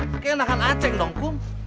kayak enakan acek dong kum